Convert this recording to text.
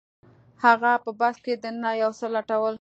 هغه په بکس کې دننه یو څه لټول